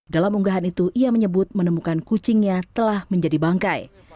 dalam unggahan itu ia menyebut menemukan kucingnya telah menjadi bangkai